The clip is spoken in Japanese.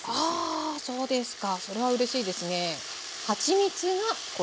あそうですか。それはうれしいですね。